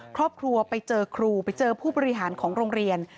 ครอบครัวไปเจอครูไปเจอผู้บริหารของโรงเรียน